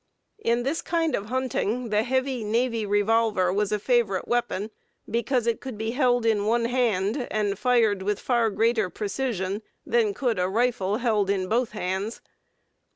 In this kind of hunting the heavy Navy revolver was the favorite weapon, because it could be held in one hand and fired with far greater precision than could a rifle held in both hands.